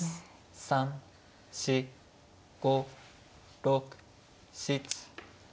３４５６７。